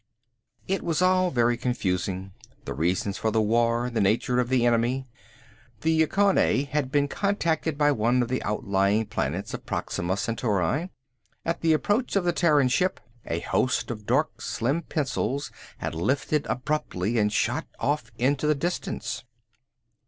It was all very confusing, the reasons for the war, the nature of the enemy. The Yucconae had been contacted on one of the outlying planets of Proxima Centauri. At the approach of the Terran ship, a host of dark slim pencils had lifted abruptly and shot off into the distance.